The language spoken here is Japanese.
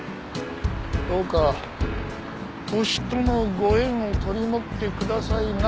どうかホシとのご縁を取り持ってくださいなってね。